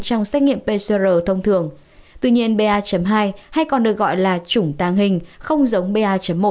trong xét nghiệm pcr thông thường tuy nhiên ba hai hay còn được gọi là chủng tàng hình không giống ba một